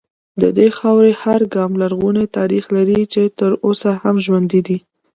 د دې خاورې هر ګام لرغونی تاریخ لري چې تر اوسه هم ژوندی دی